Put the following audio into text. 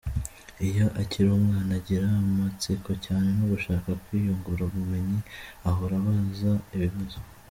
Iyo akiri umwana, agira amatsiko cyane no gushaka kwiyungura ubumenyi, ahora abaza ibibazo.